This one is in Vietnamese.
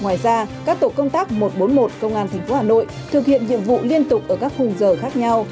ngoài ra các tổ công tác một trăm bốn mươi một công an tp hà nội thực hiện nhiệm vụ liên tục ở các khung giờ khác nhau